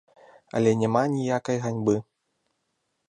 Але няма ніякай ганьбы.